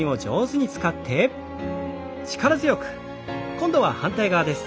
今度は反対側です。